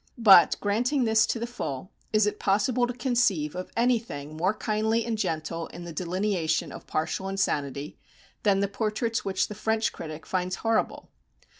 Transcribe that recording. But, granting this to the full, is it possible to conceive of anything more kindly and gentle in the delineation of partial insanity than the portraits which the French critic finds horrible?